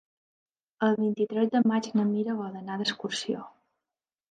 El vint-i-tres de maig na Mira vol anar d'excursió.